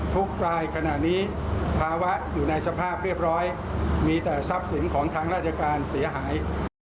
ทุกรายขณะนี้ภาวะอยู่ในสภาพเรียบร้อยมีแต่ทรัพย์สินของทางราชการเสียหาย